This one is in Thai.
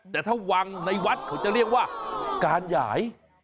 แต่ถ้าวางในวัดเขาจะเรียกว่าการหยาย